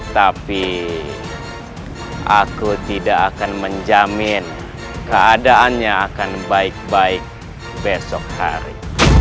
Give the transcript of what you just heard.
tapi aku tidak akan menjamin keadaannya akan baik baik besok hari